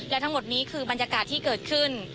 และทั้งหมดนี้คือบรรยากาศที่เกิดขึ้น